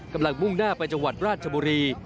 มุ่งหน้าไปจังหวัดราชบุรี